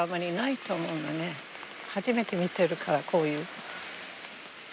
初めて見てるからこういう。